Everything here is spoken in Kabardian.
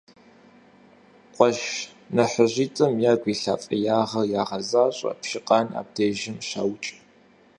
Къуэш нэхъыжьитӀым я гум илъа фӀеягъэр ягъэзащӀэ: Пщыкъан абдежым щаукӀ.